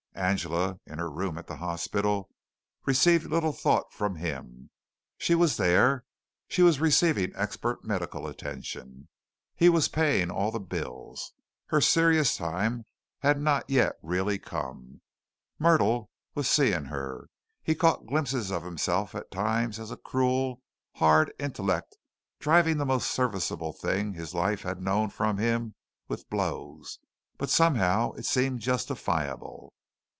Angela, in her room at the hospital, received little thought from him. She was there. She was receiving expert medical attention. He was paying all the bills. Her serious time had not yet really come. Myrtle was seeing her. He caught glimpses of himself at times as a cruel, hard intellect driving the most serviceable thing his life had known from him with blows, but somehow it seemed justifiable.